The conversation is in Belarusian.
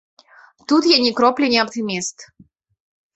Тут я ні кроплі не аптыміст.